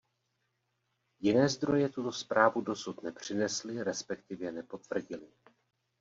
Jiné zdroje tuto zprávu dosud nepřinesly resp. nepotvrdily.